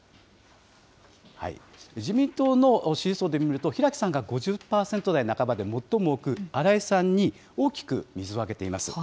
自民党の支持層で見ると、平木さんが５０％台半ばで最も多く、荒井さんに大きく水をあけています。